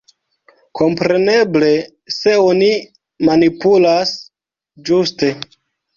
Kompreneble, se oni manipulas ĝuste.